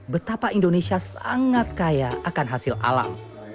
betapa indonesia sangat kaya akan hasil alam